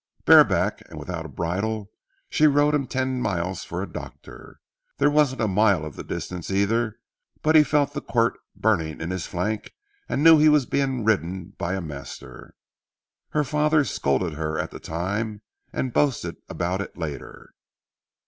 Bareback and without a bridle she rode him ten miles for a doctor. There wasn't a mile of the distance either but he felt the quirt burning in his flank and knew he was being ridden by a master. Her father scolded her at the time, and boasted about it later.